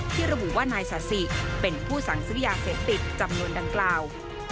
ระบุว่านายสาธิเป็นผู้สั่งซื้อยาเสพติดจำนวนดังกล่าว